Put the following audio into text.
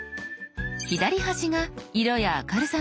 左端が「色や明るさの調整」。